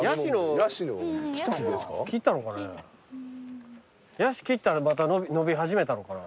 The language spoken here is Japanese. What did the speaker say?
ヤシ切ったらまた伸び始めたのかな。